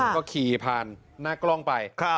ก็ขี่ผ่านหน้ากล้องไป